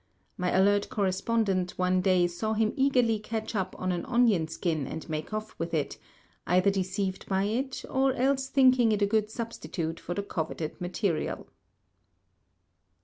My alert correspondent one day saw him eagerly catch up an onion skin and make off with it, either deceived by it or else thinking it a good substitute for the coveted material.